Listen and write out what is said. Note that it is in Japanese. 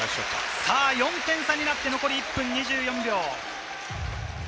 ４点差になって残り１分２４秒。